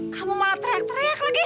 kamu malah teriak teriak